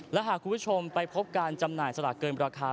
และหากคุณผู้ชมไปพบการจำหน่ายสลากเกินราคา